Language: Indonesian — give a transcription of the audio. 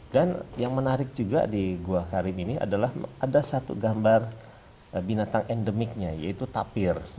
dan yang menarik juga di gua karim ini adalah ada satu gambar binatang endemicnya yaitu tapir